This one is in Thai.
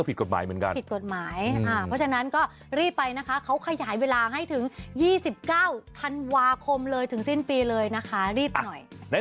ผิดตรวจหมายเพราะฉะนั้นก็รีบไปนะคะเขาขยายเวลาให้ถึง๒๙ธันวาคมเลยถึงสิ้นปีเลยนะคะรีบหน่อย